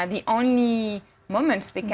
hanya saat mereka